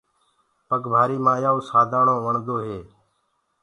پگ ڀآري مآيآئوُنٚ سانڌآڻو وڻدو هي۔